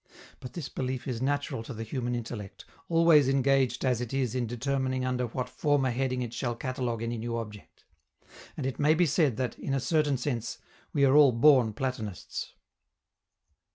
But this belief is natural to the human intellect, always engaged as it is in determining under what former heading it shall catalogue any new object; and it may be said that, in a certain sense, we are all born Platonists.